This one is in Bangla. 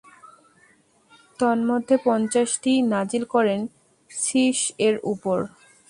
তন্মধ্যে পঞ্চাশটি নাযিল করেন শীছ-এর উপর।